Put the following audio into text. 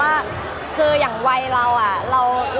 มันเป็นเรื่องน่ารักที่เวลาเจอกันเราต้องแซวอะไรอย่างเงี้ย